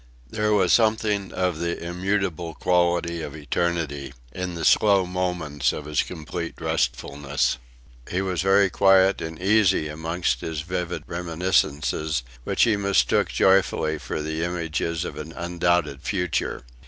There was something of the immutable quality of eternity in the slow moments of his complete restfulness. He was very quiet and easy amongst his vivid reminiscences which he mistook joyfully for images of an undoubted future.